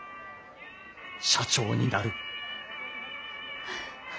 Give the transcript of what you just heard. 社長になる。